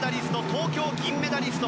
東京の銀メダリスト